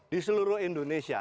di seluruh indonesia